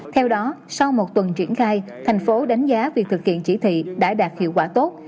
theo đó sau một tuần triển khai thành phố đánh giá việc thực hiện chỉ thị đã đạt hiệu quả tốt